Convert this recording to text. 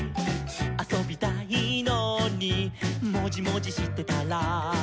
「あそびたいのにもじもじしてたら」